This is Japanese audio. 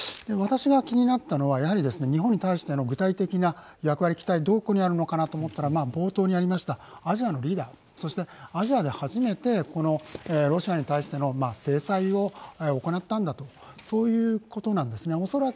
私が気になったのは日本に対しての具体的な役割、期待、どこにあるのかと思ったら冒頭にありましたアジアのリーダー、アジアで初めてロシアに対しての制裁を行ったんだとそういうことなんですね。